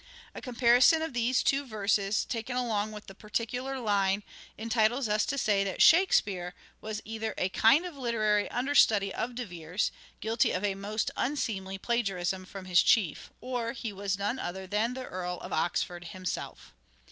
A comparison of these two verses, taken along with the particular line, en titles us to say that " Shakespeare " was either a kind of literary understudy of De Vere's, guilty of a most unseemly plagiarism from his chief, or he was none other than the Earl of Oxford himself.